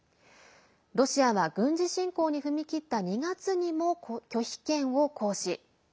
ロシアは軍事侵攻に踏み切った２月にも拒否権を行使。